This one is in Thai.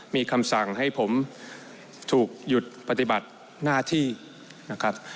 มีคำสั่งให้ผมถูกหยุดปฏิบัติหน้าที่นะครับ